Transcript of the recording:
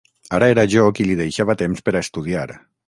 Ara era jo qui li deixava temps per a estudiar.